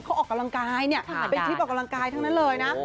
เขาออกกำลังกายเนี่ยเป็นคลิปออกกำลังกายทั้งนั้นเลยนะ